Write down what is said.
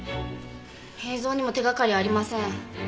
映像にも手掛かりありません。